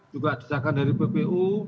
juga desakan dari bpu